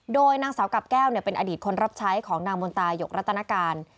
โดยนางสาวกับแก้วเป็นอดีตคนรับใช้ของนางมนตายกรัตนการ